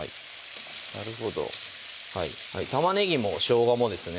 なるほど玉ねぎもしょうがもですね